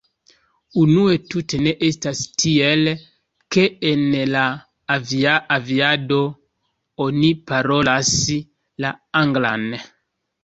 Unue tute ne estas tiel, ke en la aviado oni parolas la anglan.